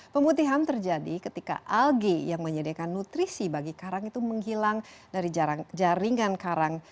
pemutihan terjadi ketika alge yang menyediakan nutrisi bagi karang itu menghilang dari jaringan karang